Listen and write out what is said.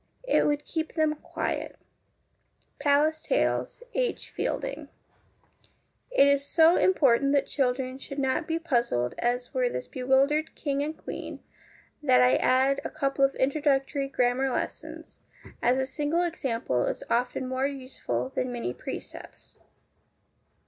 It would keep them quiet,'" 1 It is so important that children should not be puzzled as were this bewildered King and Queen, that I add a couple of introductory grammar lessons ; as a single example is often more useful than many precepts.